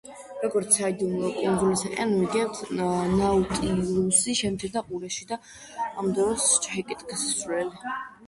როგორც „საიდუმლო კუნძულიდან“ ვიგებთ, ნაუტილუსი შემცირდა ყურეში და ამ დროს ჩაიკეტა გასასვლელი.